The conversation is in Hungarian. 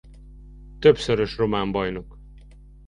Többszörös román bajnok.